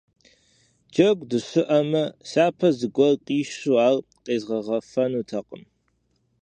Джэгу дыщыӀэмэ, сяпэ зыгуэр къищу ар къезгъэгъэфэнутэкъым.